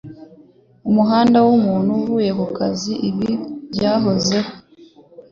Umuhanda wumuntu uvuye kukazi ibi byahoze,